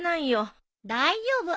大丈夫。